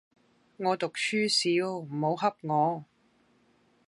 我讀書少，唔好翕我